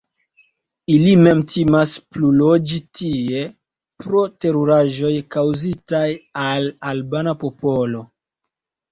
Ili mem timas pluloĝi tie pro teruraĵoj kaŭzitaj al albana popolo.